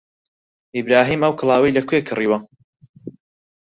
ئیبراهیم ئەو کڵاوەی لەکوێ کڕیوە؟